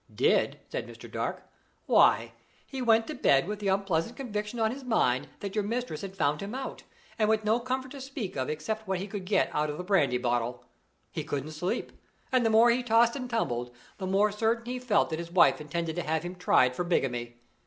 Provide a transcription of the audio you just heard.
"Did?" said Mr. Dark. "Why, he went to bed with the unpleasant conviction on his mind that your mistress had found him out, and with no comfort to speak of except what he could get out of the brandy bottle. He couldn't sleep; and the more he tossed and tumbled, the more certain he felt that his wife intended to have him tried for bigamy.